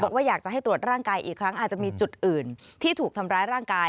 บอกว่าอยากจะให้ตรวจร่างกายอีกครั้งอาจจะมีจุดอื่นที่ถูกทำร้ายร่างกาย